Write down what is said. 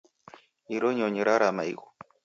Iro nyonyi rarama ighu.